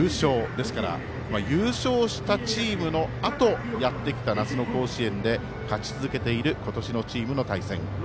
ですから優勝したチームのあとやってきた夏の甲子園で勝ち続けている今年のチームの対戦。